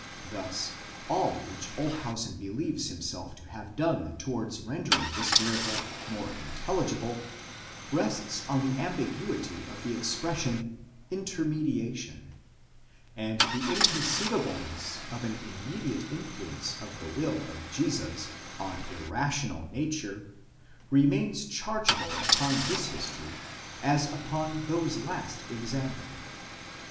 Thus all which Olshausen believes himself to have done towards rendering this miracle more intelligible, rests on the ambiguity of the expression, zz/ermediation ; and the inconceivableness of an immediate influence of the will of Jesus on irrational nature, remains chargeable upon this history as upon those last examined.